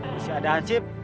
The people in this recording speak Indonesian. masih ada aset